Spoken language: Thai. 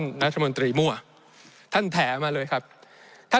ในช่วงที่สุดในรอบ๑๖ปี